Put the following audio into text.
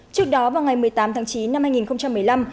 trước đó vào ngày một mươi tám tháng chín năm hai nghìn một mươi năm